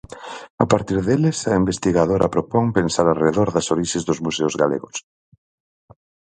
A partir deles, a investigadora propón pensar arredor das orixes dos museos galegos.